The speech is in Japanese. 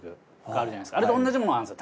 あれと同じものがあるんですよ